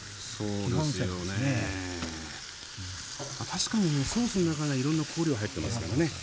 確かにソースの中にはいろんな香料入ってますからね。